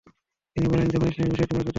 তিনি বলেন, যখন ইসলামের বিষয়টি মজবুত হয়ে গেল।